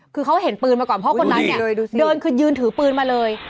คือเขาเห็นปืนมาก่อนเพราะคนนั้นเนี่ยเดินคือยืนถือปืนมาเลย